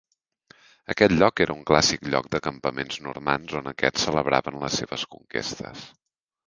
Aquest lloc era un clàssic lloc de campaments normands on aquests celebraven les seves conquestes.